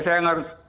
saya ngerusakan ya